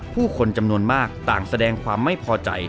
ผู้คนจำนวนมากต่างแสดงความไม่พอใจ